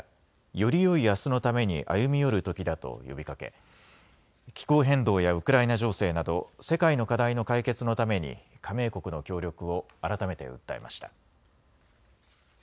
よりよいあすのために歩み寄るときだと呼びかけ気候変動やウクライナ情勢など世界の課題の解決のために加盟国の協力を改めて訴えました。